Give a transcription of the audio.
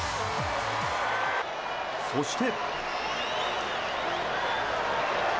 そして。